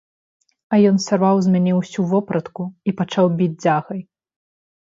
А ён сарваў з мяне ўсю вопратку і пачаў біць дзягай.